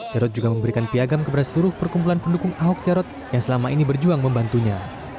jarod juga memberikan piagam kepada seluruh perkumpulan pendukung ahok jarot yang selama ini berjuang membantunya